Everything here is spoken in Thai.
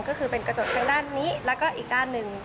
ก็คือเป็นกระจกทางด้านนี้แล้วก็อีกด้านหนึ่ง